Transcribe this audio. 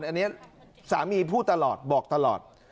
อันนี้สามีพูดตลอดบอกตลอด